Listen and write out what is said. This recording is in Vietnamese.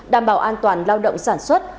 đảm bảo an toàn lao động sản xuất